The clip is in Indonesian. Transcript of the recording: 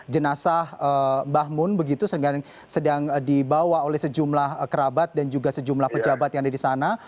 jenazah mbah mun begitu sedang dibawa oleh sejumlah kerabat dan juga sejumlah pejabat yang ada di sana